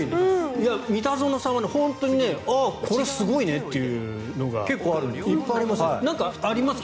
三田園さんは本当にこれすごいねっていうのがいっぱいあります。